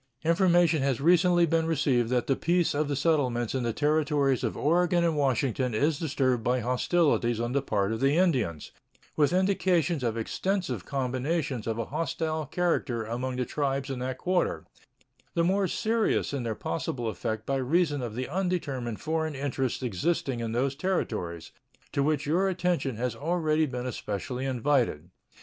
Information has recently been received that the peace of the settlements in the Territories of Oregon and Washington is disturbed by hostilities on the part of the Indians, with indications of extensive combinations of a hostile character among the tribes in that quarter, the more serious in their possible effect by reason of the undetermined foreign interests existing in those Territories, to which your attention has already been especially invited.